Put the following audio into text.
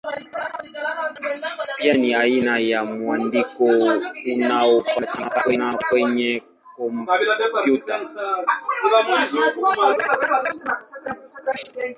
Pia ni aina ya mwandiko unaopatikana kwenye kompyuta.